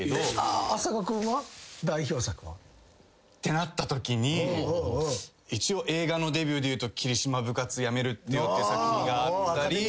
なったときに一応映画のデビューでいうと『桐島、部活やめるってよ』って作品があったり。